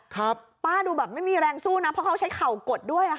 ป้าดูแบบไม่มีแรงสู้นะเพราะเขาใช้เข่ากดด้วยอ่ะค่ะ